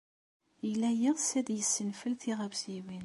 Yella yeɣs ad yessenfel tiɣawsiwin.